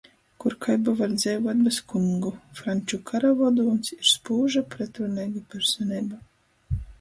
Kur kai ba var dzeivuot bez kungu. Fraņču karavodūņs ir spūža, pretruneiga personeiba.